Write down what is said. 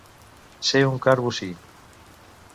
Ser un car bocí.